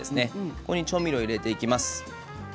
ここに調味料を入れていきます。